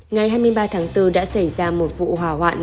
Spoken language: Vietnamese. ngày hai mươi ba tháng bốn đã xảy ra một vụ hỏa hoạn